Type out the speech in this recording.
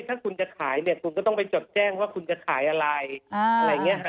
ถ้าคุณจะขายเนี่ยคุณก็ต้องไปจดแจ้งว่าคุณจะขายอะไรอะไรอย่างนี้ค่ะ